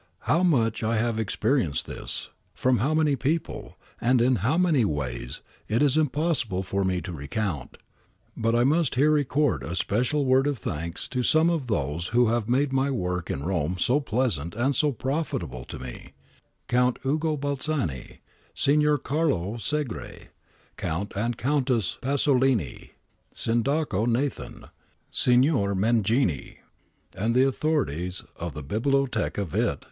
How much I have experienced this, from how many people, and in how many ways it is impossible for me to recount. But I must here record a special word of thanks to some of those who have made my work in Rome so pleasant and so profitable to me — Count Ugo Balzani, Signor Carlo Segre, Count and Countess Pasolini, Sindaco Nathan, Signor Menghini, and the authorities of the Biblioteca Vitt.